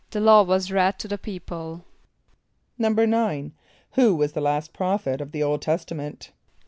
=The law was read to the people.= =9.= Who was the last prophet of the Old Testament?